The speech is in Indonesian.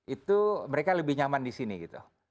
itu mereka lebih nyaman disini gitu